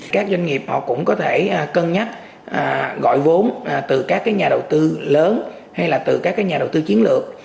các doanh nghiệp họ cũng có thể cân nhắc gọi vốn từ các nhà đầu tư lớn hay là từ các nhà đầu tư chiến lược